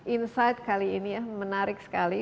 insight kali ini ya menarik sekali